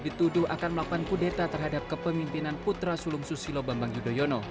dituduh akan melakukan kudeta terhadap kepemimpinan putra sulung susilo bambang yudhoyono